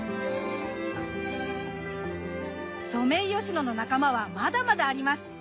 ソメイヨシノの仲間はまだまだあります。